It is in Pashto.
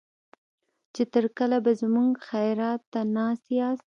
چې تر کله به زموږ خيرات ته ناست ياست.